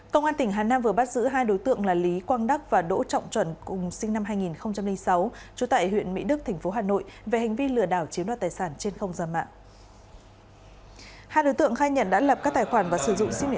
công an tỉnh hà nam vừa bắt giữ hai đối tượng là lý quang đắc và đỗ trọng chuẩn cùng sinh năm hai nghìn sáu